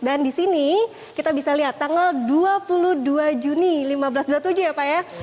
dan di sini kita bisa lihat tanggal dua puluh dua juni seribu lima ratus dua puluh tujuh ya pak ya